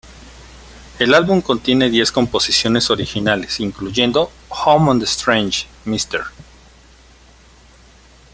El álbum contiene diez composiciones originales incluyendo "Home on the Strange", "Mr.